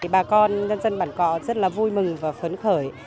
bà con dân dân bản co rất là vui mừng và phấn khởi